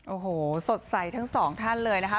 โอ้โหสดใสทั้งสองท่านเลยนะคะ